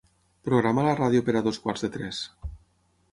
Programa la ràdio per a dos quarts de tres.